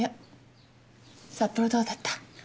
札幌どうだった？